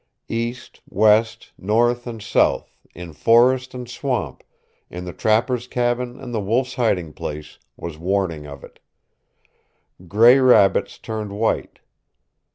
East, west, north and south, in forest and swamp, in the trapper's cabin and the wolf's hiding place, was warning of it. Gray rabbits turned white.